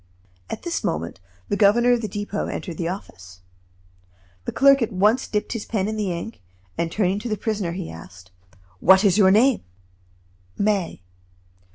At this moment, the governor of the Depot entered the office. The clerk at once dipped his pen in the ink, and turning to the prisoner he asked: "What is your name?" "May."